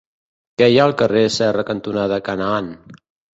Què hi ha al carrer Serra cantonada Canaan?